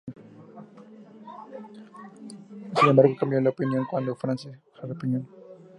Sin embargo cambió de opinión cuando Francis P. Blair, Jr.